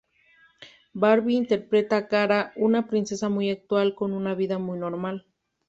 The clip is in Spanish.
Barbie interpreta a Kara, una princesa muy actual con una vida muy normal.